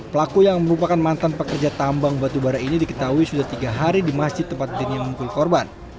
pelaku yang merupakan mantan pekerja tambang batubara ini diketahui sudah tiga hari di masjid tempat dirinya memukul korban